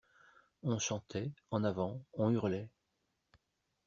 On chantait, en avant, on hurlait.